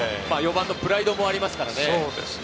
４番のプライドもありますからね。